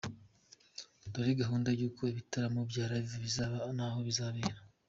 Dore gahunda y’uko ibitaramo bya Live bizaba n’aho bizabera:.